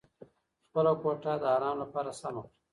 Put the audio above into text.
خپله کوټه د ارام لپاره سمه کړه.